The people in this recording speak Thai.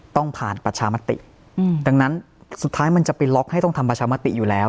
ต้องผ่านประชามติดังนั้นสุดท้ายมันจะไปล็อกให้ต้องทำประชามติอยู่แล้ว